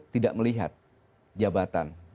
tidak melihat jabatan